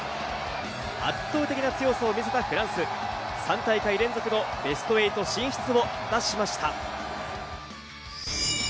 圧倒的な強さを見せたフランス、３大会連続のベスト８進出を果たしました。